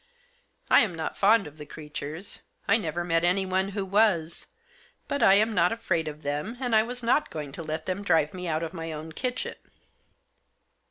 I am not fond of the creatures ; I never met anyone who was ; but I am not afraid of them, and I was not going to let them drive me out of my own kitchen.